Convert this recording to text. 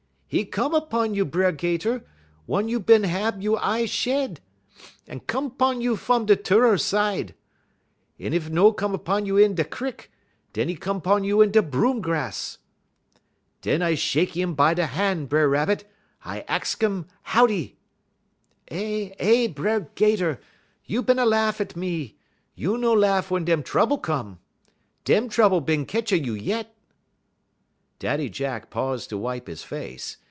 "''E come 'pon you, B'er 'Gater, wun you bin hab you' eye shed; 'e come 'pon you fum de turrer side. Ef 'e no come 'pon you in da' crik, dun 'e come 'pon you in da' broom grass.' "'Dun I shekky um by de han', B'er Rabbit; I ahx um howdy.' "'Eh eh, B'er 'Gater! you bin a lahff at me; you no lahff wun dem trouble come. Dem trouble bin ketch a you yit.'" Daddy Jack paused to wipe his face.